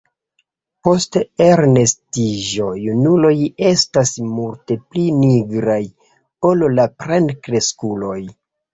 Post elnestiĝo junuloj estas multe pli nigraj ol la plenkreskuloj.